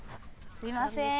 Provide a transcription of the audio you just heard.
すいません